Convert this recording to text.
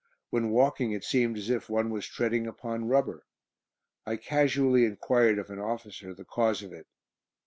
When walking it seemed as if one was treading upon rubber. I casually enquired of an officer the cause of it.